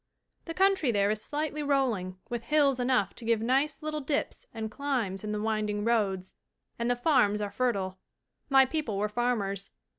] The country there is slightly rolling, with hills enough to give nice little dips and climbs in the winding roads, and the farms are fertile. My people were farmers.